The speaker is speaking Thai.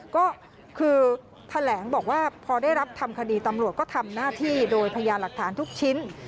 ก็คือแถลงบอกว่าพอได้รับทำคดีตำรวจก็ทำหน้าที่โดยพยานหลักฐานทุกชิ้น